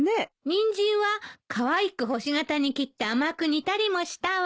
ニンジンはかわいく星形に切って甘く煮たりもしたわ。